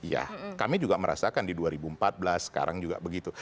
iya kami juga merasakan di dua ribu empat belas sekarang juga begitu